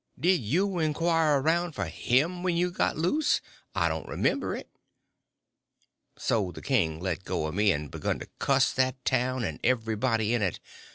Did you inquire around for him when you got loose? I don't remember it." So the king let go of me, and begun to cuss that town and everybody in it.